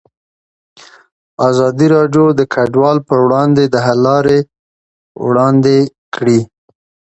ازادي راډیو د کډوال پر وړاندې د حل لارې وړاندې کړي.